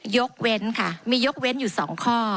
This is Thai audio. ยกเว้นค่ะมียกเว้นอยู่๒ข้อ